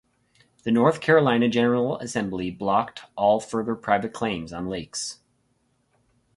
The North Carolina General Assembly blocked all further private claims on lakes.